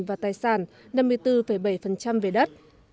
và tài sản năm mươi bốn bảy về đất